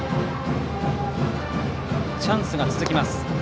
チャンスが続きます。